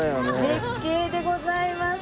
絶景でございます。